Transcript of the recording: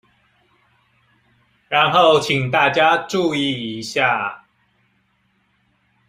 然後請大家注意一下